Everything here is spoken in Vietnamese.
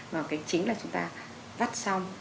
mà cái chính là chúng ta vắt xong